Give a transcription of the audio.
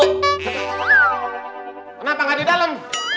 kenapa nggak di dalam